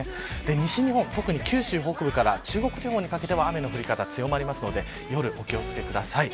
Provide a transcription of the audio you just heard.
西日本、特に九州北部から中国地方にかけては雨の降り方強まりますので夜、お気を付けください。